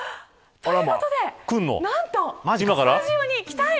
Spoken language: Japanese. ということで、何とスタジオに来たい。